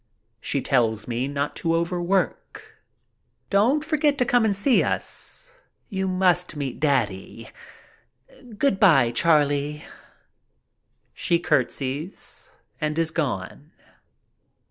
She tells me not to overwork. "Don't forget to come and see us; you must meet daddy. Good by, Charlie." She curtsies and is gone.